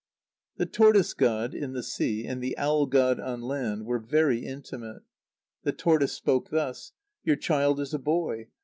_ The tortoise[ god] in the sea and the owl[ god] on land were very intimate. The tortoise spoke thus: "Your child is a boy.